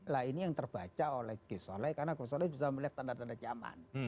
lah ini yang terbaca oleh ghosnola karena ghosnola bisa melihat tanda tanda zaman